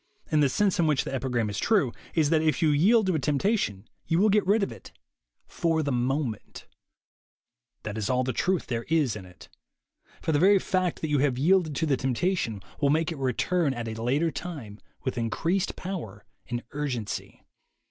And the sense in which the epigram is true is that if you yield to a temptation, you will get rid of it for the moment. That is all the THE WAY TO WILL POWER 105 truth there is in it. For the very fact that you have yielded to the temptation will make it return at a later time with increased power and urgency.